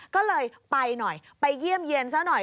ก็เลยไปหน่อยไปเยี่ยมเย็นซะหน่อย